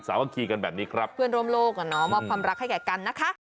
สามัคคีกันแบบนี้ครับเพื่อนร่วมโลกอ่ะเนาะมอบความรักให้แก่กันนะคะ